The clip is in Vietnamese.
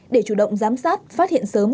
để chủ động giám sát phát hiện sớm